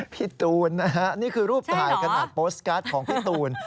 พี่ตูนนะฮะนี่คือรูปถ่ายขนาดโพสต์การ์ดของพี่ตูน